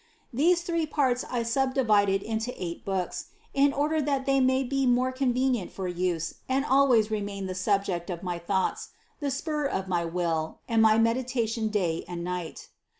These three parts I subdivided into eight books, in order that they may be more convenient for use and always remain the subject of my thoughts, the spur of my will and my meditation day and night.